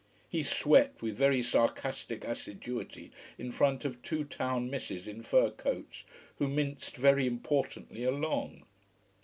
He swept with very sarcastic assiduity in front of two town misses in fur coats, who minced very importantly along.